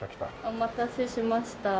お待たせしました。